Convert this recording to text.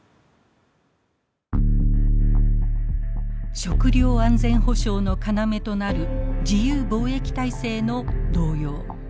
食料安全保障の要となる自由貿易体制の動揺。